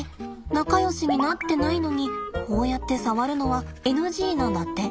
仲よしになってないのにこうやって触るのはＮＧなんだって。